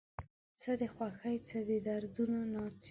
څه د خوښۍ څه د دردونو ناڅي